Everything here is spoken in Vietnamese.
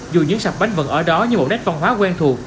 dù những sạc bánh vẫn ở đó như một nét văn hóa quen thuộc